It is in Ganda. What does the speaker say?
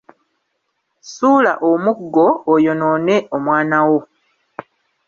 Ssuula omuggo oyonoone omwana wo.